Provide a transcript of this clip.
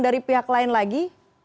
dari pihak lain lagi